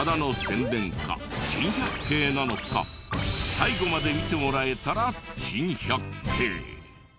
最後まで見てもらえたら珍百景。